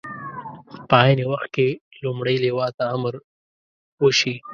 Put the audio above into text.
په عین وخت کې لومړۍ لواء ته امر وشي.